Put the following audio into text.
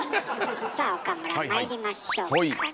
さあ岡村まいりましょうか。